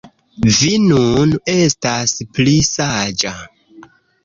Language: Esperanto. Vi nun estas pli saĝa